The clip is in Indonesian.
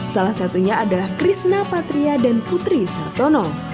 salah satunya adalah krishna patria dan putri sartono